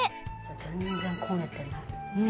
全然焦げてない。